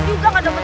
kita masih kembali